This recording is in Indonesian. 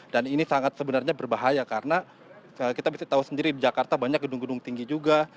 dan ini sangat sebenarnya berbahaya karena kita bisa tahu sendiri di jakarta banyak gedung gedung tinggi juga